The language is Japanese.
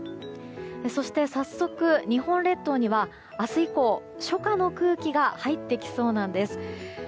そして早速、日本列島には明日以降初夏の空気が入ってきそうなんです。